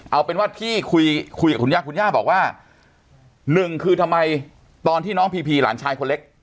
เอาเป็นว่าที่คุยคุยกับคุณย่าคุณย่าบอกว่าหนึ่งคือทำไมตอนที่น้องพีพีหลานชายคนเล็ก